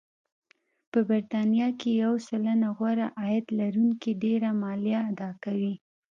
په بریتانیا کې یو سلنه غوره عاید لرونکي ډېره مالیه اداکوي